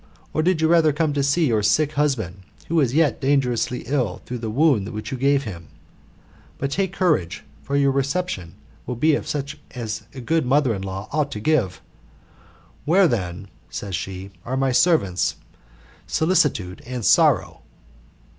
Or did you rather come to see your sick husband, who is yet dangerously ill through the wound which you gave him ? But, take courage, for your reception will be such as a good mother in law ought to give. Where then," said she, ^are my servants Solicitude and Sorrow?"